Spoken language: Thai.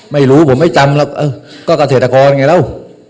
ไม่รู้ผมไม่จำหรอกเออก็เกษตรกรไงแล้ว